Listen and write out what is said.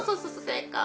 正解。